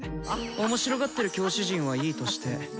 面白がってる教師陣はいいとして。